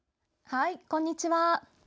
こんにちは。